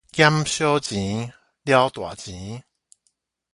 儉小錢，了大錢